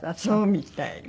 そうみたい。